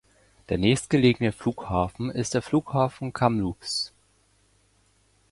Der nächstgelegene Flughafen ist der Flughafen Kamloops.